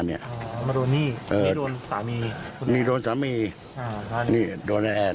มาโดนหนี้นี่โดนสามีนี่โดนสามีอ่านี่โดนไอแอน